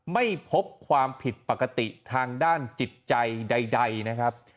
ไม่พบความผิดปกติทางด้านจิตใจใดนะครับ